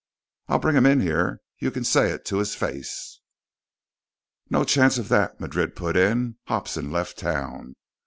"I'll bring him in here. You can say it to his face." "No chance of that," Madrid put in. "Hobson left town.